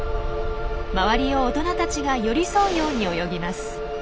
周りを大人たちが寄り添うように泳ぎます。